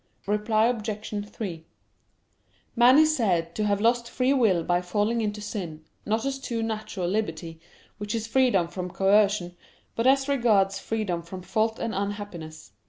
Reply Obj. 3: Man is said to have lost free will by falling into sin, not as to natural liberty, which is freedom from coercion, but as regards freedom from fault and unhappiness.